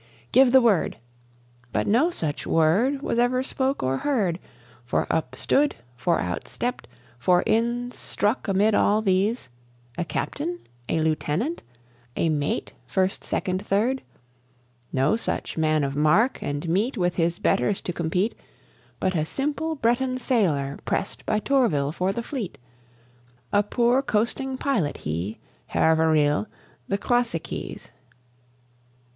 "Give the word!" But no such word Was ever spoke or heard; For up stood, for out stepped, for in struck amid all these A captain? A lieutenant? A mate first, second, third? No such man of mark, and meet With his betters to compete! But a simple Breton sailor pressed by Tourville for the fleet A poor coasting pilot he, Hervé Riel, the Croisiekese.